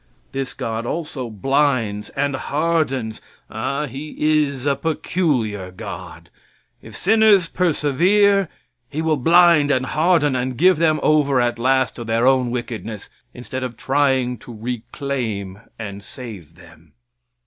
This God also blinds and hardens ah! he's a peculiar God. If sinners persevere, He will blind and harden and give them over at last to their own wickedness instead of trying to reclaim and save them.